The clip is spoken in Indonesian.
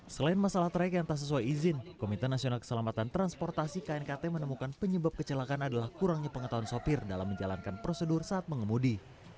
selain masalah track yang tak sesuai izin komite nasional keselamatan transportasi knkt menemukan penyebab kecelakaan adalah kurangnya pengetahuan sopir dalam menjalankan prosedur saat mengemudi